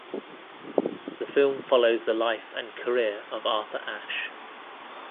The film follows the life and career of Arthur Ashe.